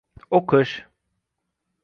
O‘qish.